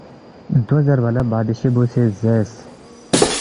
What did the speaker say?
دو زیربا نہ بادشی بُو سی زیرس،